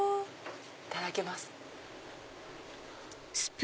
いただきます。